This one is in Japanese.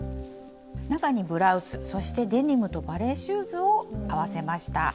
中にブラウスそしてデニムとバレエシューズを合わせました。